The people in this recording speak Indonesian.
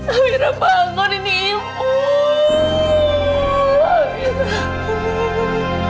amira bangun ini ibu